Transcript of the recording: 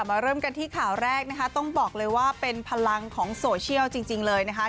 เริ่มกันที่ข่าวแรกนะคะต้องบอกเลยว่าเป็นพลังของโซเชียลจริงเลยนะคะ